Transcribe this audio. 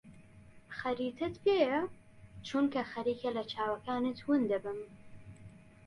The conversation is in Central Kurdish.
خەریتەت پێیە؟ چونکە خەریکە لە چاوەکانت ون دەبم.